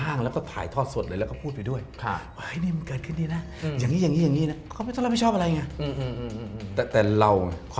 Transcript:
อะไรคือกงชีวิตเรา